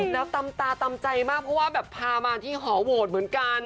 แล้วตำตาตำใจมากเพราะว่าแบบพามาที่หอโหวตเหมือนกัน